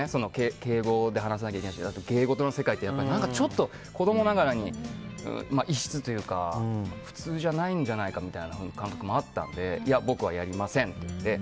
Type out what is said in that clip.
敬語で話さなきゃいけないし芸事の世界って子供ながらに異質というか普通じゃないんじゃないかみたいな感覚もあったので僕はやりませんって言って。